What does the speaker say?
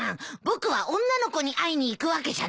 僕は女の子に会いに行くわけじゃないよ？